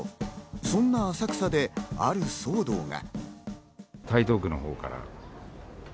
そんな浅草で、ある騒動が。